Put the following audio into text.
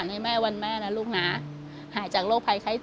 เค้ายังคงได้ต่อให้ได้พรุทธ